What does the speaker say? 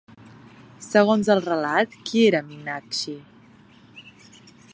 Segons el relat, qui era Minakxi?